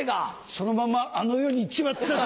そのままあの世にいっちまったぜ。